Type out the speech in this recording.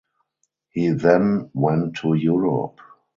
He then went to Europe.